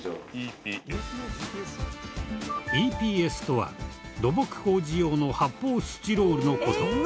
ＥＰＳとは土木工事用の発泡スチロールの事。